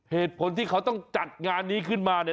เหตุผลที่เขาต้องจัดงานนี้